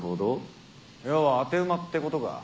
要は当て馬ってことか。